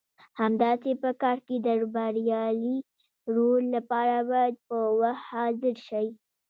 همداسې په کار کې د بریالي رول لپاره باید په وخت حاضر شئ.